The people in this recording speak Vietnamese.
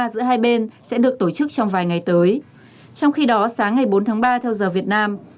giữa hai bên sẽ được tổ chức trong vài ngày tới trong khi đó sáng ngày bốn tháng ba theo giờ việt nam